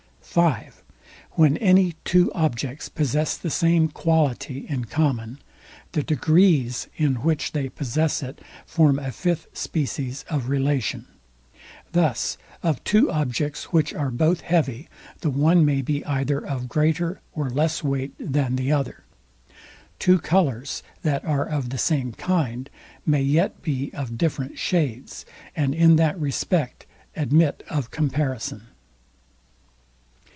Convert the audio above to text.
(5) When any two objects possess the same QUALITY in common, the DEGREES, in which they possess it, form a fifth species of relation. Thus of two objects, which are both heavy, the one may be either of greater, or less weight than the other. Two colours, that are of the same kind, may yet be of different shades, and in that respect admit of comparison.